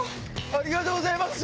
ありがとうございます！